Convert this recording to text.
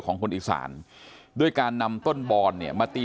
ของคนอีกศาลด้วยการนำต้นบนมาตี